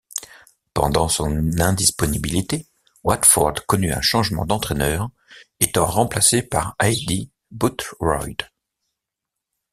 Pendant son indisponibilité, Watford connut un changement d'entraîneur, étant remplacé par Aidy Boothroyd.